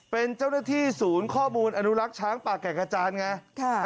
เป็นเจ้าหน้าที่ศูนย์ข้อมูลอนุรักษ์ช้างป่าแก่งกระจานไง